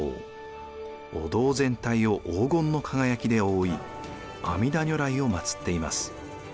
お堂全体を黄金の輝きで覆い阿弥陀如来を祭っています。